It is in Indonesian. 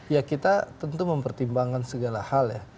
ya kita tentu mempertimbangkan segala hal ya